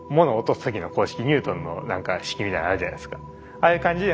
ああいう感じで